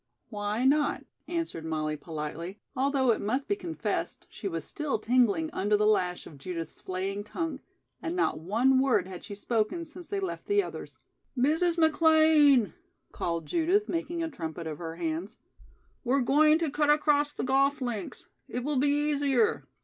"Why not?" answered Molly politely, although it must be confessed she was still tingling under the lash of Judith's flaying tongue, and not one word had she spoken since they left the others. "Mrs. McLean," called Judith, making a trumpet of her hands, "we're going to cut across the golf links. It will be easier."